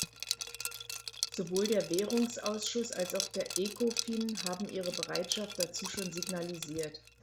Sowohl der Währungsausschuss als auch der Ecofin haben ihre Bereitschaft dazu schon signalisiert.